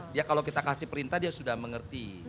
dia kalau kita kasih perintah dia sudah mengerti